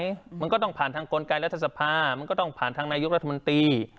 กฎหมายมันก็ต้องผ่านทางคนกายรัฐสภามันก็ต้องผ่านทางนายุครัฐมนตรี